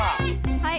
はい。